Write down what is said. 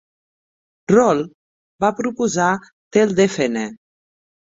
Rohl va proposar Tell Defenneh.